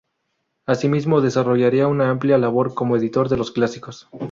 Asimismo, desarrollaría una amplia labor como editor de los clásicos.